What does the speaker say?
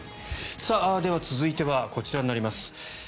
では、続いてはこちらになります。